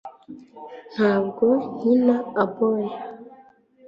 ntabwo nkina oboe